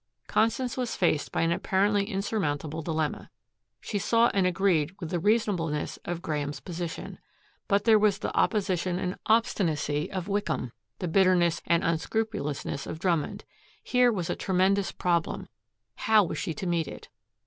Constance was faced by an apparently insurmountable dilemma. She saw and agreed with the reasonableness of Graeme's position. But there was the opposition and obstinacy of Wickham, the bitterness and unscrupulousness of Drummond. Here was a tremendous problem. How was she to meet it?